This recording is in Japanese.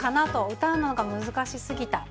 歌うのが難しすぎた。